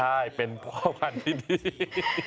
ใช่เป็นพ่อพันธุ์ที่ดี